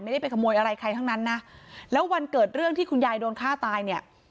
ไม่ได้ไปขโมยอะไรใครทั้งนั้นนะแล้ววันเกิดเรื่องที่คุณยายโดนฆ่าตายเนี่ย